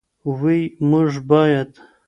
وي موږ باید